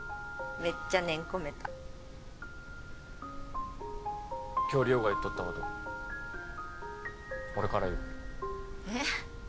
メッチャ念込めた今日梨央が言っとったこと俺から言うえっ？